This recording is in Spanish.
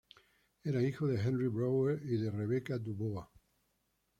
Era hijo de Henry Brewer y de Rebecca Du Bois.